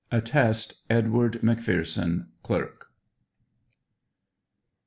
Attest • EDWARD McPHEESON, Clerk.